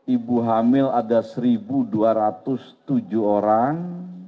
ibu hamil ada satu dua ratus tujuh orang